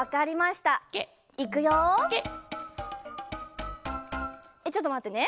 えっちょっとまってね。